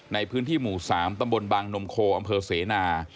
ในพื้นที่หมู่๓ตำบลบางนมโคอำเภอเสนา